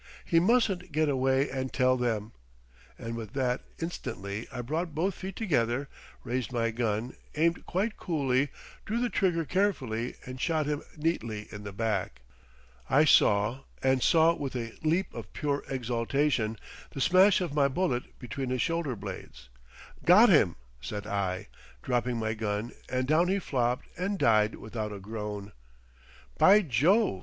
"He mustn't get away and tell them!" And with that instantly I brought both feet together, raised my gun, aimed quite coolly, drew the trigger carefully and shot him neatly in the back. I saw, and saw with a leap of pure exaltation, the smash of my bullet between his shoulder blades. "Got him," said I, dropping my gun and down he flopped and died without a groan. "By Jove!"